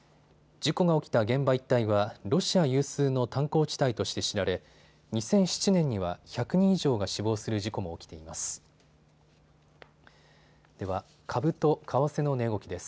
事故が起きた現場一帯はロシア有数の炭鉱地帯として知られ、２００７年には１００人以上が死亡する事故も起きています。